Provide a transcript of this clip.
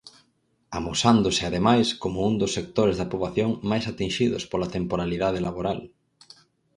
Amosándose, ademais, como un dos sectores da poboación máis atinxidos pola temporalidade laboral.